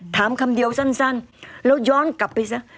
ถามคำเดียวสั้นเราย้อนกลับไปสิ